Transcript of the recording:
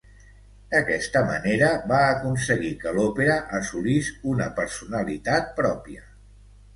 D'aquesta manera va aconseguir que l'òpera assolís una personalitat pròpia.